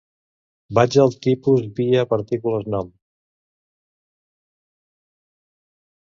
Vaig al TIPUS_VIA PARTICULES NOM.